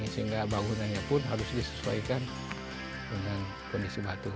sehingga bangunannya pun harus disesuaikan dengan kondisi batu